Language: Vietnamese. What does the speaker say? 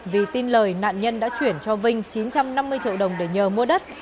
vì tin lời nạn nhân đã chuyển cho vinh chín trăm năm mươi triệu đồng để nhờ mua đất